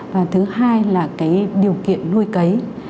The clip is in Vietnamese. và thứ hai là điều kiện nuôi cấy